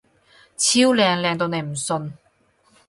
超靚！靚到你唔信！